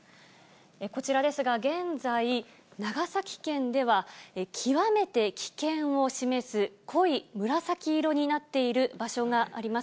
こちらですが、現在、長崎県では、極めて危険を示す濃い紫色になっている場所があります。